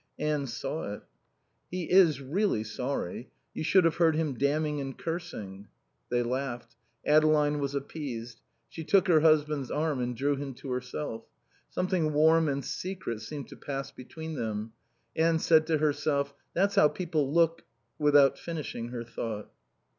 Anne saw it. "He is really sorry. You should have heard him damning and cursing." They laughed. Adeline was appeased. She took her husband's arm and drew him to herself. Something warm and secret seemed to pass between them. Anne said to herself: "That's how people look " without finishing her thought.